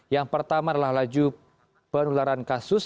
yang pertama adalah laju penularan kasus